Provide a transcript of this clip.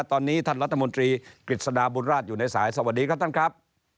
ตอนนี้ท่านรัฐมนตรีกฤษฎาบุญราชอยู่ในสายสวัสดีครับท่านครับ